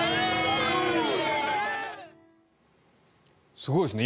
すごいですね。